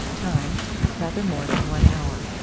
Time. Rather more than 1 hour.